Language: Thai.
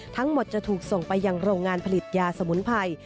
ทั้งหมดจะถูกส่งไปยังโรงงานผลิตยาสมุนไพร